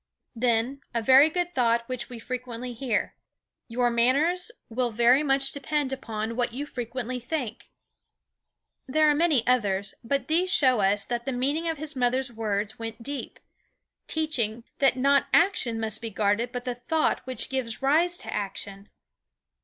" Then, a very good thought which we frequently hear: "Your manners will very much depend upon what you frequently think." There are many others, but these show us that the meaning of his mother's words went deep, teaching that not action must be guarded but the thought which gives rise to action.